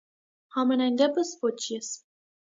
- Համենայն դեպս, ոչ ես: